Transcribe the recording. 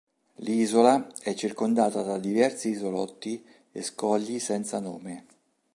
L'isola è circondata da diversi isolotti e scogli senza nome.